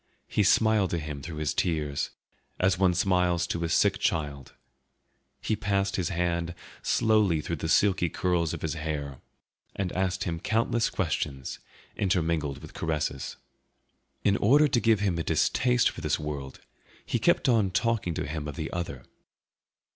He smiled to him through his tears, as one smiles to a sick child; he passed his hand slowly through the silky curls of his hair, and asked him countless questions, intermingled with caresses. In order to give him a distaste for this world he kept on talking to him of the other.